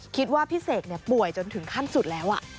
พี่เสกป่วยจนถึงขั้นสุดแล้ว